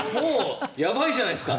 「やばいじゃないですか」